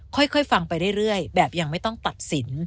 ค่อยฟังไปเรื่อยแบบยังไม่ต้องตัดสิน